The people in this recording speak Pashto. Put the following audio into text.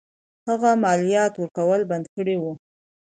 هغه د مالیاتو ورکول بند کړي وه.